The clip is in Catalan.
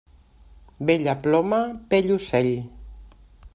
Bella ploma, bell ocell.